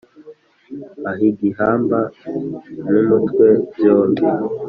Ah'igihimba n'umutwe byombi